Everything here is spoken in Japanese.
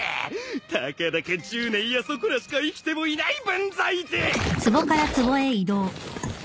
たかだか１０年やそこらしか生きてもいない分際で！